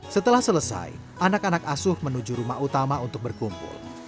setelah selesai anak anak asuh menuju rumah utama untuk berkumpul